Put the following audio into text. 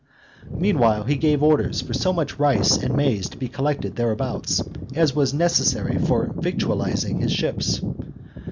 Meanwhile he gave orders for so much rice and maize to be collected thereabouts, as was necessary for victualing his ships.